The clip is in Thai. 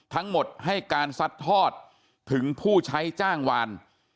ทั้งหมดให้การซัดทอดถึงผู้ใช้จ้างวาน